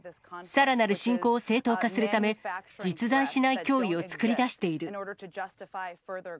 さらなる侵攻を正当化するため、実在しない脅威を作り出している。